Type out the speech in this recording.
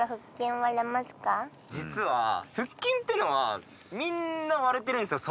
実は腹筋ってのはみんな割れてるんですよ